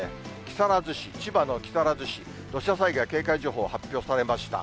木更津市、千葉の木更津市、土砂災害警戒情報、発表されました。